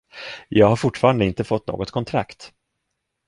Jag har fortfarande inte fått något kontrakt.